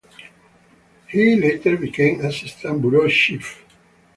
He later became assistant bureau chief.